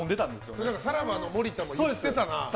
それは、さらばの森田も言ってたな。